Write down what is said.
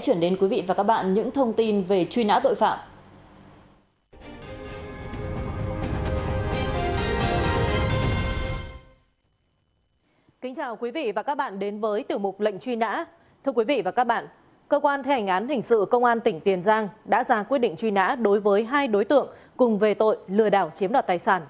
cơ quan theo hành án hình sự công an tỉnh tiền giang đã ra quyết định truy nã đối với hai đối tượng cùng về tội lừa đảo chiếm đoạt tài sản